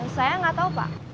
saya nggak tahu pak